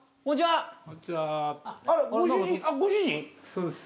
そうです。